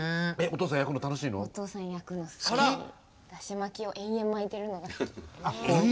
だし巻きを延々巻いてるのが好き。